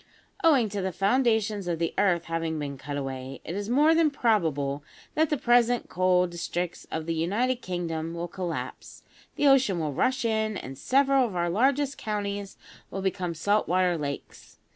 Owing to the foundations of the earth having been cut away, it is more than probable that the present coal districts of the United Kingdom will collapse, the ocean will rush in, and several of our largest counties will become salt water lakes.